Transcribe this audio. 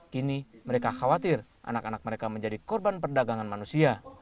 kini mereka khawatir anak anak mereka menjadi korban perdagangan manusia